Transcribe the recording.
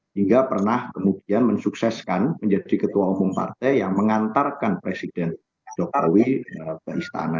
hingga pernah kemudian mensukseskan menjadi ketua umum partai yang mengantarkan presiden jokowi ke istana